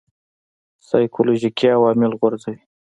سایکولوژیکي عوامل غورځوي.